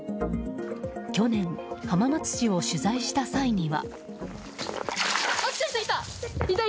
去年、浜松市を取材した際には。